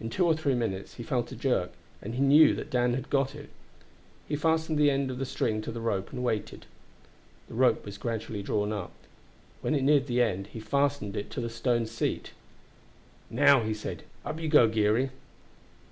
In two or three minutes he felt a jerk, and knew that Dan had got it. He fastened the end of the string to the rope and waited. The rope was gradually drawn up; when it neared the end he fastened it to the stone seat. "Now," he said, "up you go, Geary."